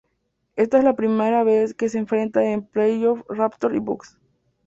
Esta es la primera vez que se enfrentan en playoffs Raptors y Bucks.